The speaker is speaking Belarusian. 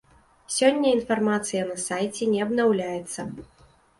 Сёння інфармацыя на сайце не абнаўляецца.